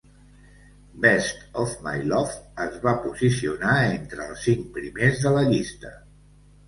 "Best of My Love" es va posicionar entre els cinc primers de la llista.